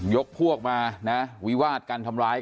ยกพวกมานะวิวาดกันทำร้าย